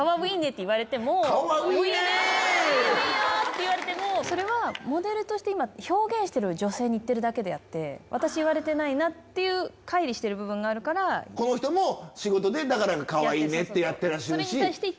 いいよいいよって言われても、それはモデルとして、今、表現してる女性に言ってるだけであって、私、言われてないなっていうかいこの人も仕事で、だから、かわうぃーねってやってらっしゃるし。